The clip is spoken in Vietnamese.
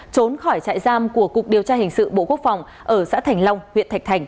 trốn khỏi trại giam của cục điều tra hình sự bộ quốc phòng ở xã thành long huyện thạch thành